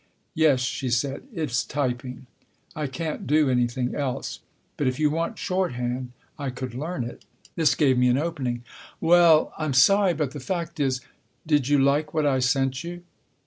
" Yes," she said, "it's typing. I can't do anything else. But if you want shorthand, I could learn it." 14 Tasker Jevons This gave me an opening. " Well I'm sorry but the fact is "" Did you like what I sent you